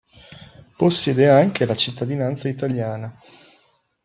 Possiede anche la cittadinanza italiana.